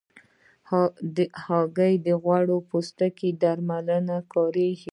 هګۍ د غوړ پوستکي درملنه کې کارېږي.